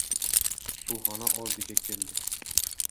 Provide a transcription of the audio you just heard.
Suvxona oldiga keldi.